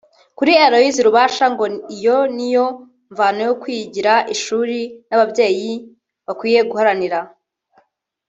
Kuri Aloys Rubasha ngo iyo niyo mvano yo kwigira ishuri n’ababyeyi bakwiye guharanira